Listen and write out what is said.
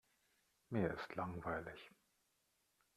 Mir ist langweilig.